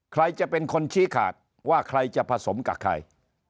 ใครจะเป็นคนชี้ขาดว่าใครจะผสมกับใคร